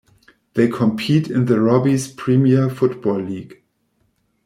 They compete in the Robbie's Premier Football League.